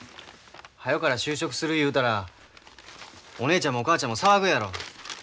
はようから就職する言うたらお姉ちゃんもお母ちゃんも騒ぐやろ。